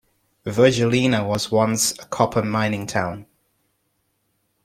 Virgilina was once a copper mining town.